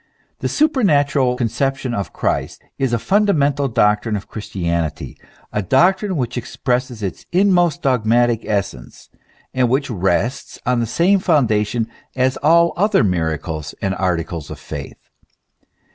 The supernatural conception of Christ is a fundamental doctrine of Christianity, a doctrine which expresses its inmost dogmatic essence, and which rests on the same foundation as all other miracles and articles of faith.